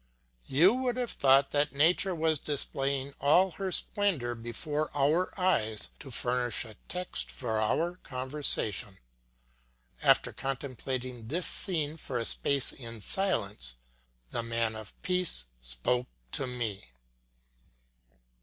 You would have thought that nature was displaying all her splendour before our eyes to furnish a text for our conversation. After contemplating this scene for a space in silence, the man of peace spoke to me.